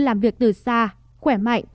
làm việc từ xa khỏe mạnh